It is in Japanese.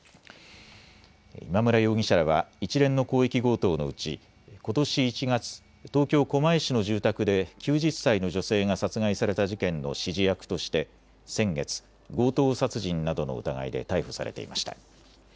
今村容疑者らは一連の広域強盗のうち、ことし１月、東京狛江市の住宅で９０歳の女性が殺害された事件の指示役として先月、強盗殺人などの疑いで逮捕されていました。